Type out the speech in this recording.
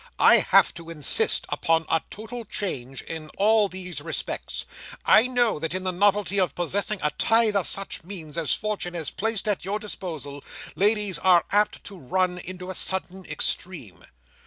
I have to insist upon a total change in all these respects. I know that in the novelty of possessing a tithe of such means as Fortune has placed at your disposal, ladies are apt to run into a sudden extreme.